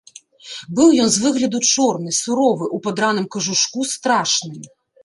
Быў ён з выгляду чорны, суровы, у падраным кажушку страшны.